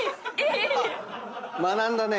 学んだね。